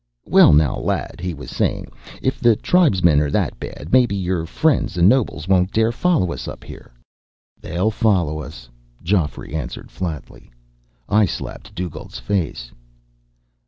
"Well, now, lad," he was saying, "if the tribesmen're that bad, maybe your friends the nobles won't dare follow us up here." "They'll follow us," Geoffrey answered flatly. "I slapped Dugald's face."